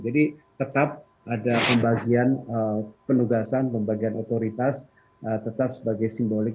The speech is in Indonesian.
jadi tetap ada pembagian penugasan pembagian otoritas tetap sebagai simbolik